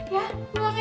ya pulang ya